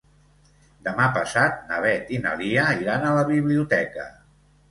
Demà passat na Beth i na Lia iran a la biblioteca.